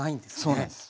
そうなんです。